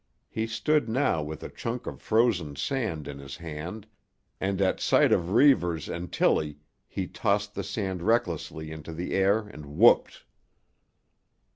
He stood now with a chunk of frozen sand in his hand, and at sight of Reivers and Tillie he tossed the sand recklessly into the air and whooped.